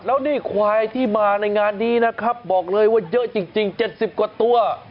แล้วนี่ควายที่มาในงานนี้นะครับบอกเลยว่าเยอะจริง๗๐กว่าตัว